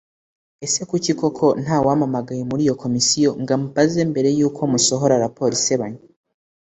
Ese kuki koko nta wampamagaye muri iyo komisiyo ngo ambaze mbere y’uko musohora raporo isebanya